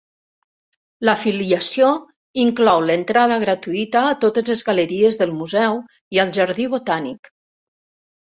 L'afiliació inclou l'entrada gratuïta a totes les galeries del museu i al jardí botànic.